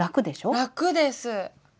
楽です。